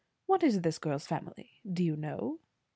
What is this girl's family, do you know?"